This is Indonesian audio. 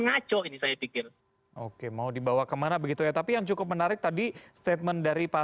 ngaco ini saya pikir oke mau dibawa kemana begitu ya tapi yang cukup menarik tadi statement dari pak